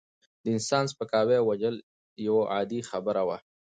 د انسان سپکاوی او وژل یوه عادي خبره وه.